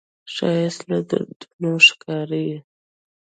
ښایست له درون ښکاري